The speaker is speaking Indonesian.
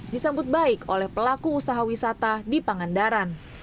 disambut baik oleh pelaku usaha wisata di pangandaran